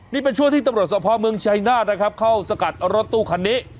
นี่เป็นช่วงที่ตำรวจสภเมืองชัยนาธนะครับเข้าสกัดรถตู้คันนี้